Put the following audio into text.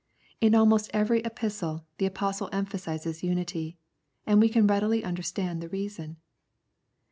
In almost every Epistle the Apostle emphasises unity, and we can readily understand the reason.